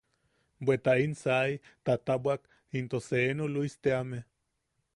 Bweta in sai tatapwak into seenu Luis teame.